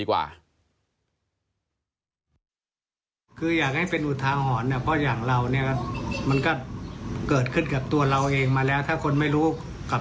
ว่าอย่าทำดีกว่า